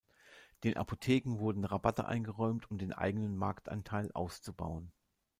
Den Apotheken wurden Rabatte eingeräumt um den eigenen Marktanteil auszubauen.